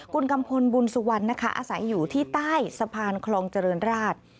คุณกัมพลบุญสุวรรณนะคะอาศัยอยู่ที่ใต้สะพานคลองเจริญราช